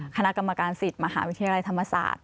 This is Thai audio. คณะกรรมการสิทธิ์มหาวิทยาลัยธรรมศาสตร์